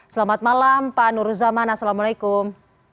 selamat malam pak nuruzaman assalamualaikum